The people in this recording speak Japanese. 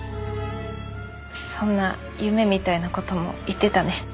そんな夢みたいな事も言ってたね。